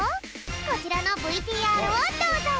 こちらのＶＴＲをどうぞ！